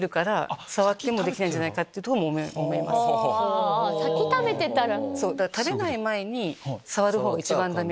あ先食べてたら。